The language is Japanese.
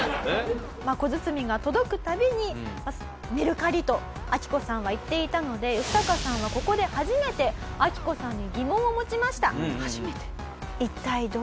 小包が届くたびにメルカリとアキコさんは言っていたのでヨシタカさんはここで初めてアキコさんに疑問を持ちました。